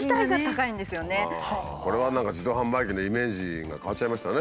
これは何か自動販売機のイメージが変わっちゃいましたね。